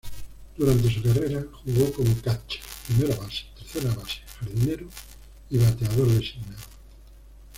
Durante su carrera, jugó como "catcher", "primera base", "tercera base", "jardinero" y "bateador designado".